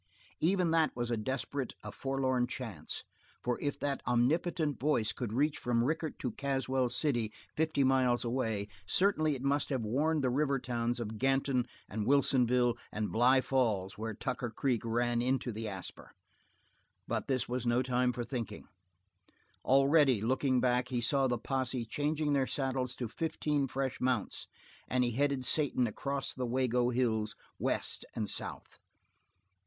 Even that was a desperate, a forlorn chance, for if that omnipotent voice could reach from Rickett to Caswell City, fifty miles away, certainly it must have warned the river towns of Ganton and Wilsonville and Bly Falls where Tucker Creek ran into the Asper. But this was no time for thinking. Already, looking back, he saw the posse changing their saddles to fifteen fresh mounts, and he headed Satan across the Wago Hills, West and South.